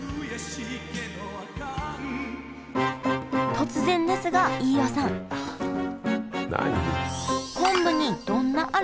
突然ですが飯尾さん何？